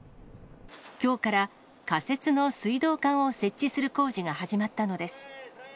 きょうから仮設の水道管を設置する工事が始まったのです。